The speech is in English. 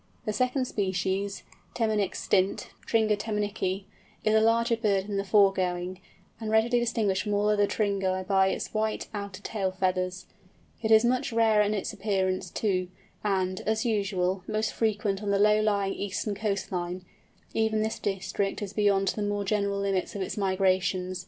The second species, Temminck's Stint (Tringa temmincki), is a larger bird than the foregoing, and readily distinguished from all other Tringæ by its white outer tail feathers. It is much rarer in its appearance, too, and, as usual, most frequent on the low lying eastern coast line; even this district is beyond the more general limits of its migrations.